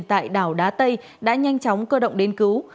tại đảo đá tây đã nhanh chóng cơ động đến cứu